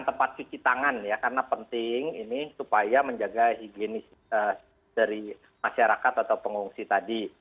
tempat cuci tangan ya karena penting ini supaya menjaga higienis dari masyarakat atau pengungsi tadi